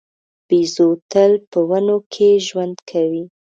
بیزو تل په ونو کې ژوند کوي.